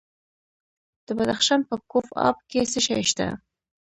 د بدخشان په کوف اب کې څه شی شته؟